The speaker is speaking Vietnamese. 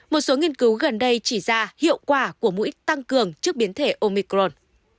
một số nghiên cứu gần đây chỉ ra hiệu quả của mũi tăng cường trước biến thể omicron